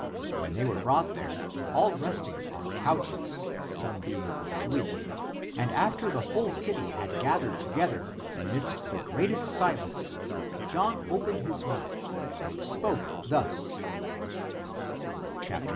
When they were brought there, all resting on couches, some being asleep, and after the whole city had gathered together, amidst the greatest si lence John opened his mouth and spoke thus : 33.